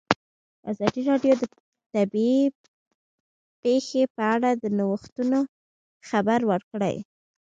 ازادي راډیو د طبیعي پېښې په اړه د نوښتونو خبر ورکړی.